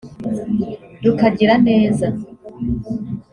rukagira neza